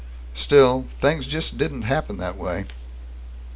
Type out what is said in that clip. Still things just didn't happen that way.